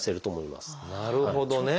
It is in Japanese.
なるほどね。